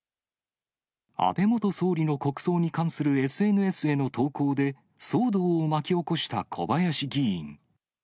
安倍元総理の国葬に関するＳＮＳへの投稿で、騒動を巻き起こした小林議員。